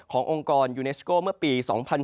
องค์กรยูเนสโก้เมื่อปี๒๐๑๘